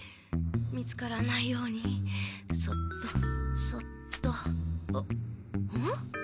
見つからないようにそっとそっとん？